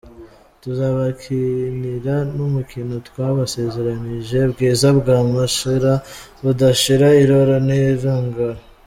Tuzabakinira n’umukino twabasezeranije « Bwiza bwa Mashira budashira irora n’irongora ».